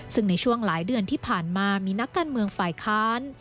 ซึ่งในช่วงหลายเดือนที่ผ่านมามีนักการเมืองฝ่ายค้าน